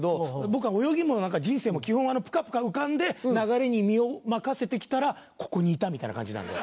僕は泳ぎも人生も基本はプカプカ浮かんで流れに身を任せて来たらここにいたみたいな感じなんで。